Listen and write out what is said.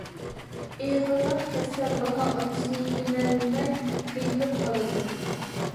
ئېغىرلاپ كەتسە بالا ئانىسىنى ئېمەلمەي قىينىلىپ قالىدۇ.